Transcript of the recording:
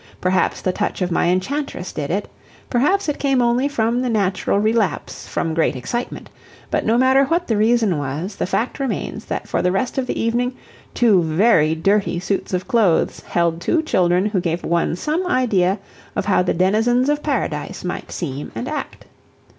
Perhaps the touch of my enchantress did it; perhaps it came only from the natural relapse from great excitement; but no matter what the reason was, the fact remains that for the rest of the evening two very dirty suits of clothes held two children who gave one some idea of how the denizens of Paradise might seem and act.